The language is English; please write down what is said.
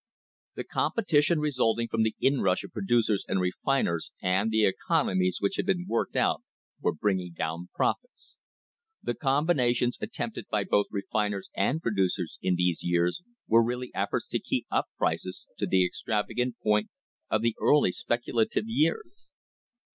The compe tition resulting from the inrush of producers and refiners and the economies which had been worked out were bringing down profits. The combinations attempted by both refiners' and producers in these years were really efforts to keep up prices to the extravagant point of the early speculative years..